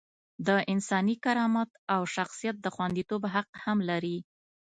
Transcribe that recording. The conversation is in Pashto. د انساني کرامت او شخصیت د خونديتوب حق هم لري.